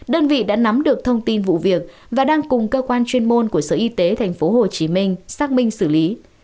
đơn vị đã nắm được thông tin vụ việc và đang cùng cơ quan chuyên môn của sở y tế tp hồ chí minh xác minh xử lý